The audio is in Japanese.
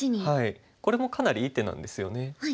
これもかなりいい手なんですよね。